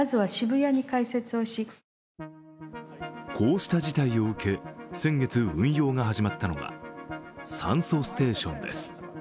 こうした事態を受け、先月、運用が始まったのが酸素ステーションです。